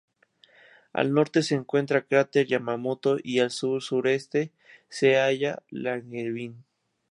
Al norte se encuentra el cráter Yamamoto, y al sur-suroeste se halla Langevin.